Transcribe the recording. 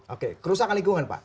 oke kerusakan lingkungan pak